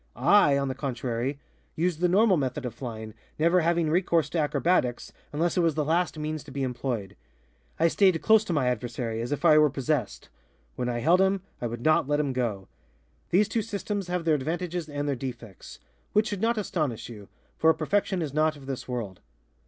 I, on the contrary, used the normal method of flying, never having recourse to acrobatics, unless it was the last means to be employed. I stayed close to my adversary, as if I were possessed. When I held him, I would not let him go. These two systems have their advantages and their defects, which should not astonish you, for perfection is not of this world.